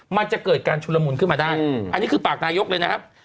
มันจะเกิดการชุนละมุนขึ้นมาได้อันนี้คือปากนายกเลยนะครับ